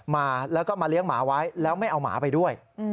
มาแล้วก็มาเลี้ยงหมาไว้แล้วไม่เอาหมาไปด้วย